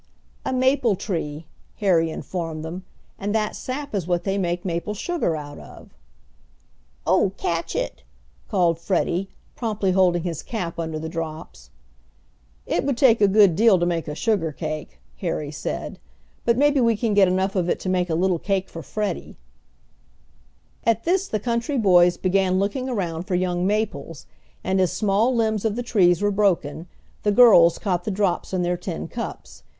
"A maple tree," Harry informed them, "and that sap is what they make maple sugar out of." "Oh, catch it!" called Freddie, promptly holding his cap under the drops. "It would take a good deal to make a sugar cake," Harry said, "but maybe we can get enough of it to make a little cake for Freddie." At this the country boys began looking around for young maples, and as small limbs of the trees were broken the girls caught the drops in their tin cups.